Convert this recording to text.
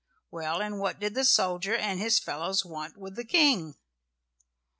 Well, and what did the soldier and his fellows want with the King.